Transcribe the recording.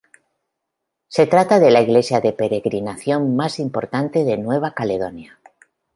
Se trata de la iglesia de peregrinación más importante de Nueva Caledonia.